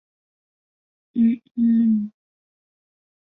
谒者是中国古代官名。